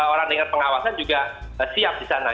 orang dengan pengawasan juga siap di sana